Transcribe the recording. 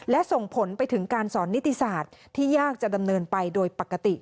และส่งผลไปถึงการสอนนิติศาสตร์ที่ยากจะดำเนินไปโดยปกติ